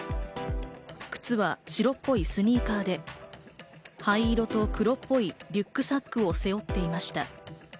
靴は白っぽいスニーカーで灰色と黒っぽいリュックサックを背負っていました。